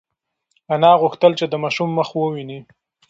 انا غوښتل چې د ماشوم مخ وویني.